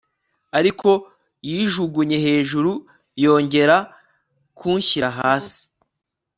ariko yijugunye hejuru yongera kunshyira hasi